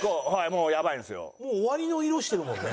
もう終わりの色してるもんね。